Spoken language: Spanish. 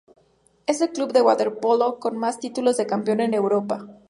Es el club de waterpolo con más títulos de campeón de Europa.